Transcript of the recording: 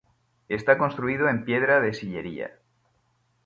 Está construido en piedra de sillería.